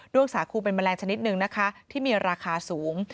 ้วงสาคูเป็นแมลงชนิดหนึ่งนะคะที่มีราคาสูง